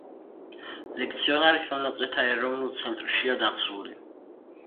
ლექციონარი ხელნაწერთა ეროვნულ ცენტრშია დაცული.